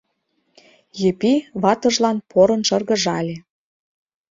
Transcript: — Епи ватыжлан порын шыргыжале.